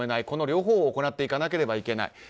この両方を行っていかなければいけない。